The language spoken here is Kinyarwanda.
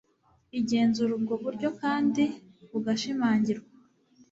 igenzura ubwo buryo kandi bugashimangirwa